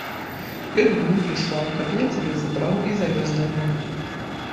Ён мяне прыслаў, каб я цябе забраў і завёз да яго.